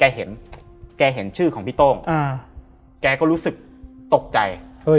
แกเห็นแกเห็นชื่อของพี่โต้งแกก็รู้สึกตกใจ